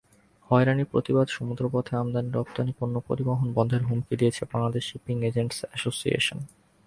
হয়রানির প্রতিবাদে সমুদ্রপথে আমদানি-রপ্তানি পণ্য পরিবহন বন্ধের হুমকি দিয়েছে বাংলাদেশ শিপিং এজেন্টস অ্যাসোসিয়েশন।